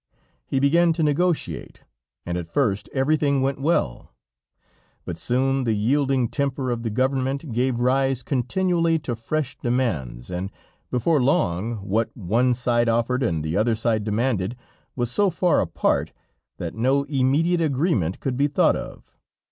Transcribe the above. He began to negotiate, and at first everything went well, but soon the yielding temper of the government gave rise continually to fresh demands, and before long, what one side offered and the other side demanded, was so far apart, that no immediate agreement could be thought of.